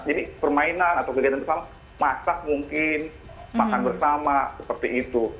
jadi permainan atau kegiatan yang sama masak mungkin makan bersama seperti itu